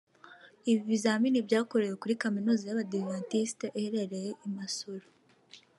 Ibi bizamini byakorewe kuri Kaminuza y’Abadivantiste iherereye i Masoro